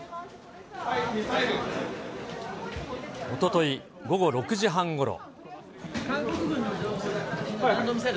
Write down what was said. おととい午後６時半ごろ。